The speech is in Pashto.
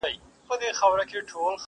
راځه جهاني جوړ سو د پردېسو اوښکو کلی!!